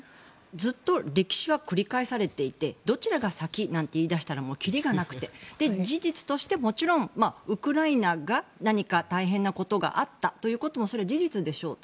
ずっと歴史は繰り返されていてどちらが先なんて言い出したら切りがなくて事実としてもちろんウクライナが何か大変なことがあったことも事実でしょう。